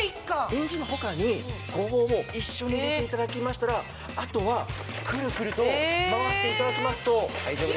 ニンジンの他にごぼうも一緒に入れていただきましたらあとはくるくると回していただきますと大丈夫です。